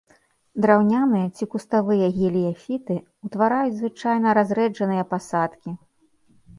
Драўняныя ці куставыя геліяфіты ўтвараюць звычайна разрэджаныя пасадкі.